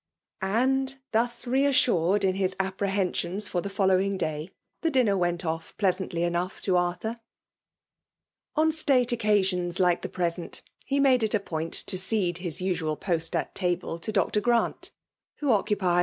And, thus re assured in his apprehensions for the following day, the dinner went off pleas* antly enough to Arthur. On state occariona ' Ifte the present, he made it a point to cede hk usual post at table to Dr. Grant, who oocupiod